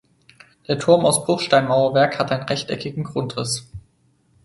Der Turm aus Bruchsteinmauerwerk hat einen rechteckigen Grundriss.